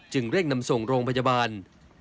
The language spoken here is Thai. เร่งนำส่งโรงพยาบาล